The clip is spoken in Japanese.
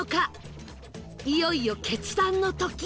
いよいよ決断の時